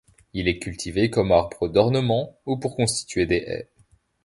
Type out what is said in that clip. Il est cultivé comme arbre d'ornement ou pour constituer des haies.